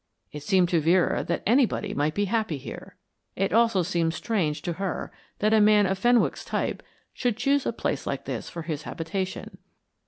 It seemed to Vera that anybody might be happy here. It also seemed strange to her that a man of Fenwick's type should choose a place like this for his habitation.